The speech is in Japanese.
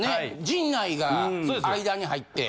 陣内が間に入って。